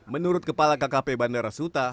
menurut kepala kkp bandara suta